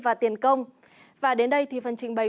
và tiền công và đến đây thì phần trình bày